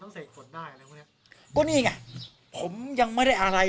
ต้องเสกฝนได้อะไรวันนี้ก็นี่อ่ะผมยังไม่ได้อะไร